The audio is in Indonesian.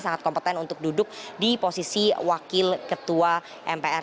sangat kompeten untuk duduk di posisi wakil ketua mpr